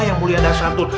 yang mulia dasantun